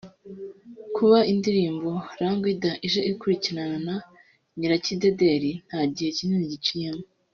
Kuba indirimbo ‘Rangwida’ije ikurikirana na ‘Nyirakidedeli’ nta gihe kinini giciyemo